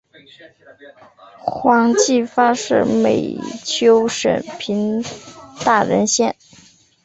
黄晋发是美湫省平大县人。